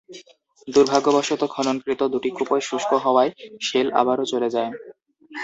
দুর্ভাগ্যবশত খননকৃত দুটি কূপই শুষ্ক হওয়ায় শেল আবারও চলে যায়।